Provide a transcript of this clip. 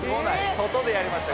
外でやりましたよ